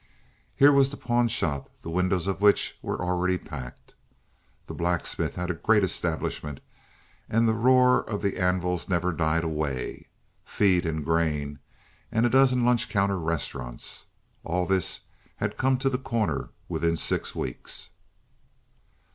Here was the pawnshop, the windows of which were already packed. The blacksmith had a great establishment, and the roar of the anvils never died away; feed and grain and a dozen lunch counter restaurants. All this had come to The Corner within six weeks.